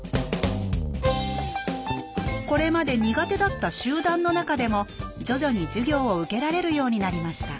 これまで苦手だった集団の中でも徐々に授業を受けられるようになりました